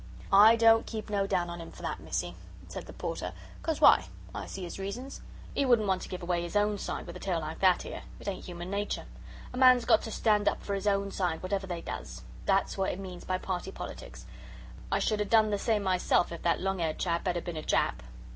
"I don't keep no down on 'im for that, Missie," said the Porter; "cos why? I see 'is reasons. 'E wouldn't want to give away 'is own side with a tale like that 'ere. It ain't human nature. A man's got to stand up for his own side whatever they does. That's what it means by Party Politics. I should 'a' done the same myself if that long 'aired chap 'ad 'a' been a Jap."